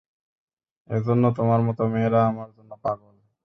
এজন্য তোমার মতো মেয়েরা আমার জন্য পাগল।